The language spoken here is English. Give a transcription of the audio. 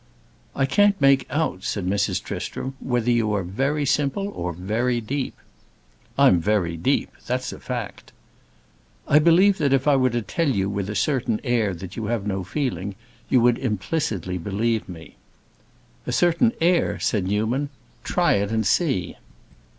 "I can't make out," said Mrs. Tristram, "whether you are very simple or very deep." "I'm very deep. That's a fact." "I believe that if I were to tell you with a certain air that you have no feeling, you would implicitly believe me." "A certain air?" said Newman. "Try it and see."